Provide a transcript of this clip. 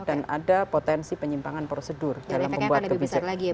dan ada potensi penyimpangan prosedur dalam membuat kebijakan